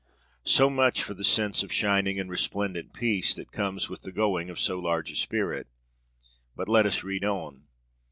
So much for the sense of shining and resplendent peace that comes with the going of so large a spirit! But let us read on.